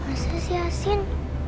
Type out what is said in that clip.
masa sih asin